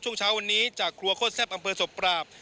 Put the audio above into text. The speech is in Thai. เช้าวันนี้จากครัวโคตรแซ่บอำเภอศพปราบ